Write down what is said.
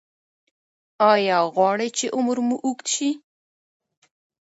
ایا غواړئ چې عمر مو اوږد شي؟